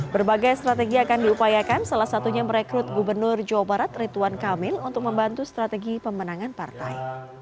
berbagai strategi akan diupayakan salah satunya merekrut gubernur jawa barat rituan kamil untuk membantu strategi pemenangan partai